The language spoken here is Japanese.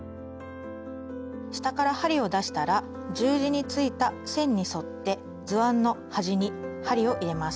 下から針を出したら十字についた線に沿って図案の端に針を入れます。